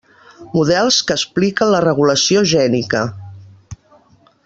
Models que expliquen la regulació gènica.